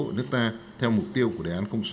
ở nước ta theo mục tiêu của đề án sáu